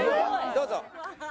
どうぞ。